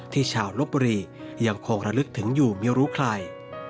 ชาวลบบุรียังคงระลึกถึงอยู่ไม่รู้ใคร